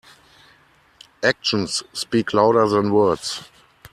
Actions speak louder than words.